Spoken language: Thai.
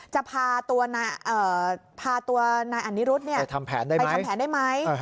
จะพาตัวนายอนิรุธไปทำแผนได้ไหม